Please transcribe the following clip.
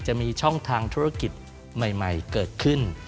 จะมีช่องทางธุรกิจใหม่เกิดขึ้น